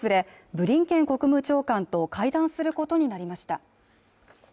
ブリンケン国務長官と会談することになりました